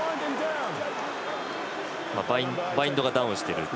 バインドがダウンしていると。